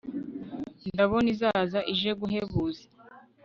ndabona izaza ije guhebuza